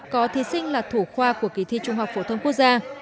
có thí sinh là thủ khoa của kỳ thi trung học phổ thông quốc gia